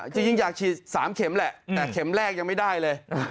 จริงอยากฉีด๓เข็มแหละแต่เข็มแรกยังไม่ได้เลย